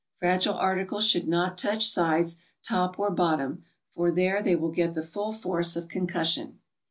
Fragile articles should not touch sides, top or bottom, for there they will get the full force of concussion.